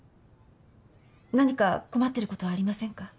何か困っている事はありませんか？